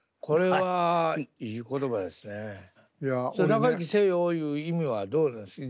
「長生きせよ！！」いう意味はどうなんですか。